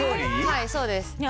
はいそうですねえ